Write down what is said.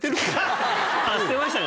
捨てましたか。